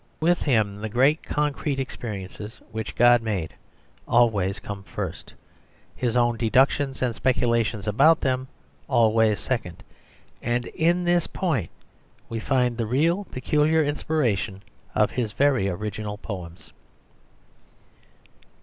With him the great concrete experiences which God made always come first; his own deductions and speculations about them always second. And in this point we find the real peculiar inspiration of his very original poems.